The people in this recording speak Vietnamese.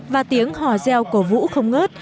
và tiếng hòa reo cổ vũ không ngớt